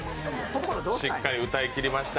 しっかり歌いきりました。